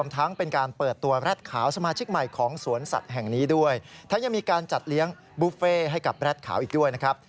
ทั้งยังมีการจัดเลี้ยงบุฟเฟ่ให้กับแรดขาวอีกด้วยนะครับ